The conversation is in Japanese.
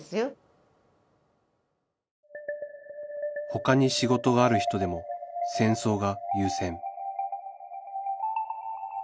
他に仕事がある人でも戦争が優先